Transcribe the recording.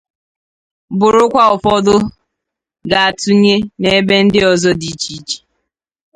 burukwa ụfọdụ ga tụnye n'ebe ndị ọzọ dị iche iche.